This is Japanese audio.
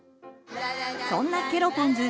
そんなケロポンズ